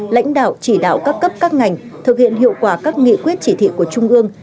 lãnh đạo chỉ đạo các cấp các ngành thực hiện hiệu quả các nghị quyết chỉ thị của trung ương